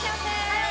はい！